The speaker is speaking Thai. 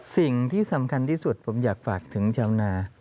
สิ่งที่สำคัญที่สุดผมอยากฝากถึงชาวนา